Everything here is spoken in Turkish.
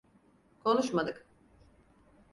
Konuşmadık.